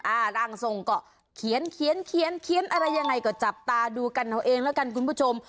ร่างทรงก็เขียนเขียนอะไรยังไงก็จับตาดูกันเอาเองแล้วกันคุณผู้ชม